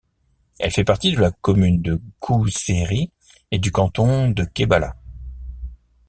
Elle fait partie de la commune de Kousséri et du canton de Guebala.